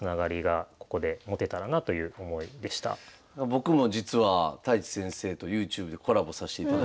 僕も実は太地先生とＹｏｕＴｕｂｅでコラボさしていただいて。